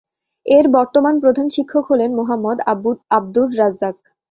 এর বর্তমান প্রধান শিক্ষক হলেন মোহাম্মদ আব্দুর রাজ্জাক।